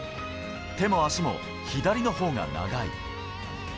手も足も左の方が長い。